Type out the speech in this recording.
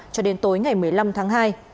cho đến tối ngày một mươi năm tháng hai